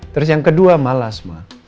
terus yang kedua malas